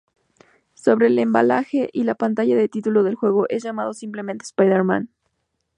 Sobre el embalaje y la pantalla de título del juego es llamado simplemente Spider-Man.